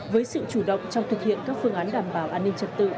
với sự chủ động trong thực hiện các phương án đảm bảo an ninh trật tự